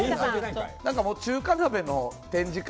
中華鍋の展示会。